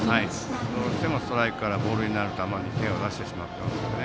どうしてもストライクからボールになる球に手を出してしまってます。